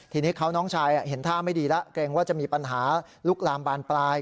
ทีนี้เขาน้องชายเห็นท่าไม่ดีแล้วเกรงว่าจะมีปัญหาลุกลามบานปลาย